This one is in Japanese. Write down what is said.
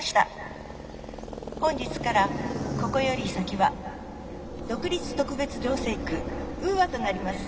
本日からここより先は独立特別行政区ウーアとなります。